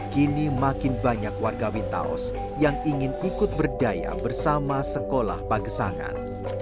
kini makin banyak warga wintaos yang ingin ikut berdaya bersama sekolah pagesangan